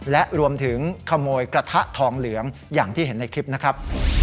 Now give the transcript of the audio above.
และรวมถึงขโมยกระทะทองเหลืองอย่างที่เห็นในคลิปนะครับ